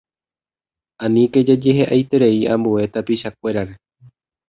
Aníke jajehe'aiterei ambue tapichakuérare.